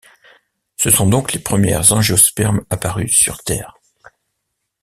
Ce sont donc les premières Angiospermes apparues sur Terre.